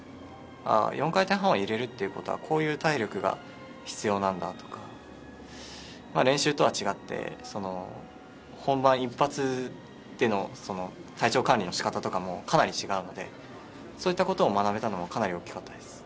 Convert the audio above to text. ４回転半を入れるということはこういう体力が必要なんだとか練習とは違って本番一発というのを体調管理の仕方とかもかなり違うのでそういったことを学べたのもかなり大きかったです。